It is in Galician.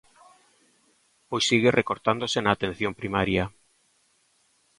Pois segue recortándose na atención primaria.